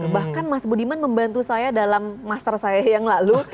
bahkan mas budiman membantu saya dalam master saya yang lalu